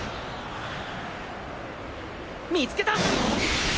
見つけた！